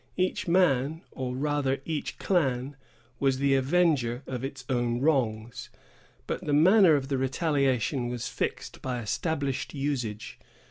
Each man, or rather, each clan, was the avenger of its own wrongs; but the manner of the retaliation was fixed by established usage.